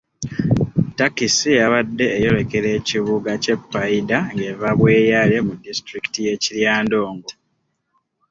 Ttakisi yabadde eyolekera ekibuga ky'e Paidha ng'eva Bweyale mu disitulikiti y'e Kiryandongo.